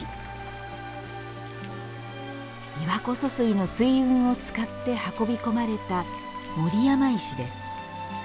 琵琶湖疏水の水運を使って運び込まれた守山石です。